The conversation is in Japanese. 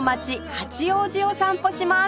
八王子を散歩します